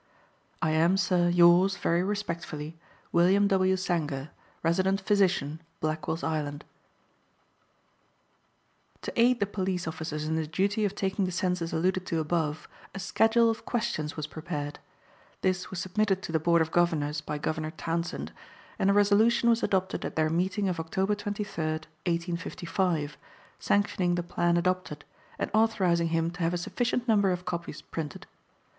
"I am, sir, yours, very respectfully, "WILLIAM W. SANGER, Resident Physician, Blackwell's Island." To aid the police officers in the duty of taking the census alluded to above, a schedule of questions was prepared. This was submitted to the Board of Governors by Governor Townsend, and a resolution was adopted at their meeting of October 23d, 1855, sanctioning the plan adopted, and authorizing him to have a sufficient number of copies printed.